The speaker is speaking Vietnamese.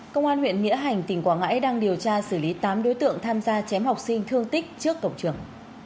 công an huyện nghĩa hành tỉnh quảng ngãi đang điều tra xử lý tám đối tượng tham gia chém học sinh thương tích trước cổng trường